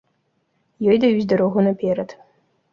Ёй даюць дарогу наперад.